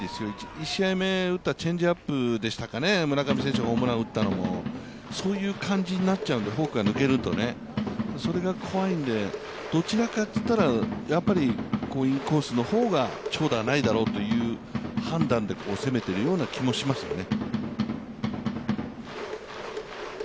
１試合目打ったチェンジアップでしたかね、村上選手がホームランを打ったのも、そういう感じになっちゃうんでフォークが抜けると、それが怖いんで、どちらかといったら、やっぱりインコースの方が長打がないというような判断で攻めているような気がしますよね。